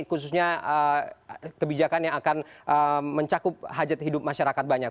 khususnya kebijakan yang akan mencakup hajat hidup masyarakat banyak